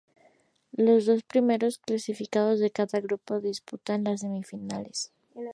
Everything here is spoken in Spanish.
Los dos primeros clasificados de cada grupo disputan las semifinales.